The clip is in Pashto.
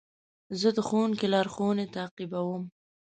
زه د ښوونکي لارښوونې تعقیبوم.